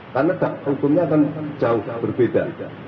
karena dampak hukumnya akan jauh berbeda